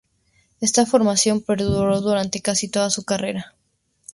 Esta formación perduró durante casi toda su carrera.